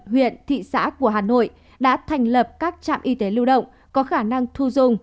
huyện thị xã của hà nội đã thành lập các trạm y tế lưu động có khả năng thu dung